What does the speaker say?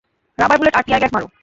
Rubber bullet আর tear gas মারো।